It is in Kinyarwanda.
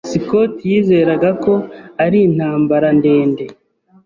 Scott yizeraga ko ari intambara ndende.